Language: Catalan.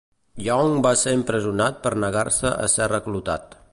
Young va ser empresonat per negar-se a ser reclutat.